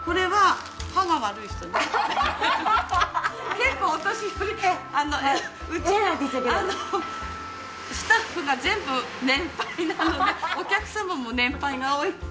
結構私うちのあのスタッフが全部年配なのでお客様も年配が多いので。